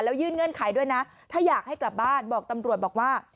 ยื่นเงื่อนไขด้วยนะถ้าอยากให้กลับบ้านบอกตำรวจบอกว่า